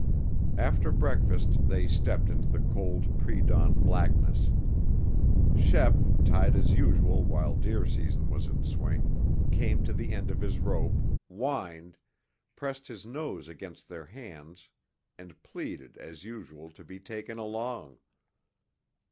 After breakfast they stepped into the cold predawn blackness. Shep, tied as usual while deer season was in swing, came to the end of his rope, whined, pressed his nose against their hands and pleaded as usual to be taken along.